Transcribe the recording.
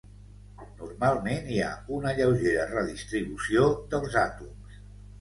Normalment hi ha una lleugera redistribució dels àtoms.